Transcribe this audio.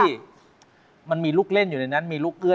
อยากแต่งานกับเธออยากแต่งานกับเธอ